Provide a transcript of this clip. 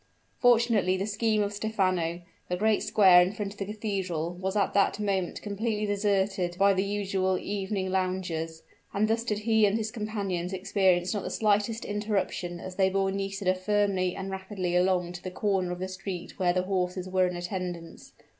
Fortunately for the scheme of Stephano, the great square in front of the cathedral was at that moment completely deserted by the usual evening loungers; and thus did he and his companions experience not the slightest interruption as they bore Nisida firmly and rapidly along to the corner of the street where the horses were in attendance.